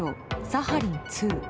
サハリン２。